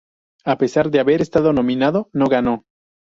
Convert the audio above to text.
A pesar de haber estado nominado, no ganó.